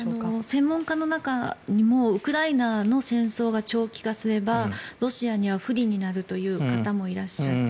専門家の中でもウクライナの戦争が長期化すればロシアには不利になるという方もいらっしゃる。